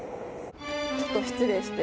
ちょっと失礼して。